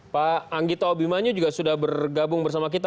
pak anggito obimanyu juga sudah bergabung bersama kita